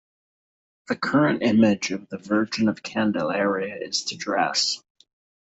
The current image of the Virgin of Candelaria is to dress.